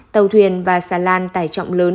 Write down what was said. tàu thuyền và xà lan tải trọng lớn